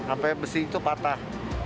apanya besi itu patah